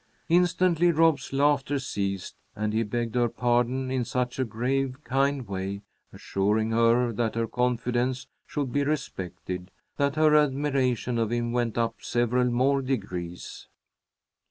Instantly Rob's laughter ceased, and he begged her pardon in such a grave, kind way, assuring her that her confidence should be respected, that her admiration of him went up several more degrees.